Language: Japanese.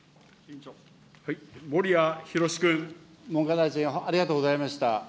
文科大臣、ありがとうございました。